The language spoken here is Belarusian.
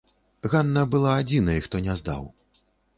Ганна была адзінай, хто не здаў.